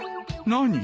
何？